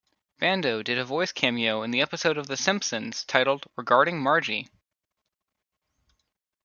Bando did a voice cameo in the episode of "The Simpsons" titled "Regarding Margie.